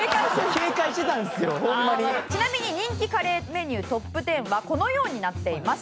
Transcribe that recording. ちなみに人気カレーメニュートップ１０はこのようになっています。